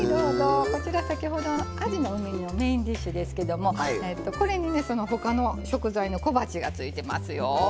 こちらは、先ほどのあじの梅煮のメインディッシュですけどほかの食材の小鉢がついていますよ。